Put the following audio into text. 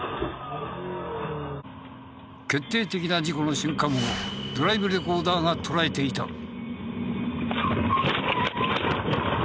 決定的な事故の瞬間をドライブレコーダーが捉えていた。